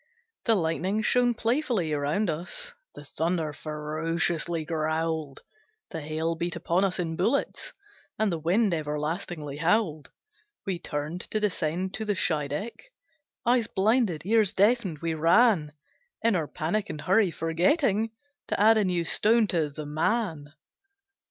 The lightning shone playfully round us; The thunder ferociously growled; The hail beat upon us in bullets; And the wind everlastingly howled. We turned to descend to the Scheideck, Eyes blinded, ears deafened, we ran, In our panic and hurry, forgetting To add a new stone to the man.